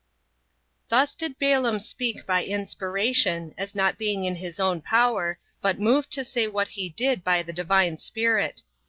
Thus did Balaam speak by inspiration, as not being in his own power, but moved to say what he did by the Divine Spirit.